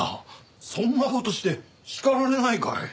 そんな事して叱られないかい？